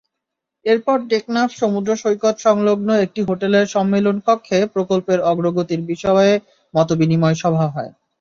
এরপর টেকনাফ সমুদ্রসৈকত-সংলগ্ন একটি হোটেলের সম্মেলনকক্ষে প্রকল্পের অগ্রগতির বিষয়ে মতবিনিময় সভা হয়।